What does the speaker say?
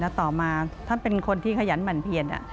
ต่อมาท่านเป็นคนที่ขยันหมั่นเพียน